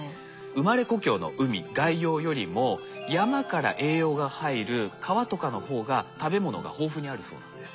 生まれ故郷の海外洋よりも山から栄養が入る川とかの方が食べ物が豊富にあるそうなんです。